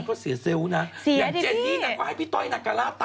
เข้าใจอะไรนะครับ